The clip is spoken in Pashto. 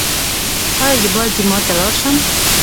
ایا زه باید جومات ته لاړ شم؟